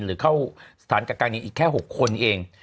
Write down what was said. หรือเข้าสถานการณ์กลางนี้อีกแค่๖คนเอง